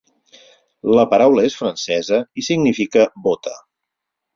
La paraula és francesa i significa "bota".